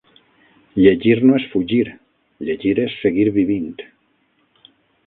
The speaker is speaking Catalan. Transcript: Llegir no és fugir. Llegir és seguir vivint